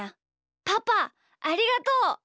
パパありがとう。